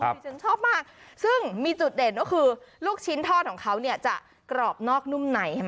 ที่ฉันชอบมากซึ่งมีจุดเด่นก็คือลูกชิ้นทอดของเขาเนี่ยจะกรอบนอกนุ่มไหนใช่ไหม